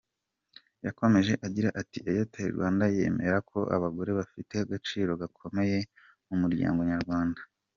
Yakomeje agira ati “Airtel Rwanda yemera ko abagore bafite agaciro gakomeye mu muryango nyarwanda.